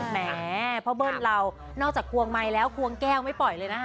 แหมพ่อเบิ้ลเรานอกจากควงไมค์แล้วควงแก้วไม่ปล่อยเลยนะคะ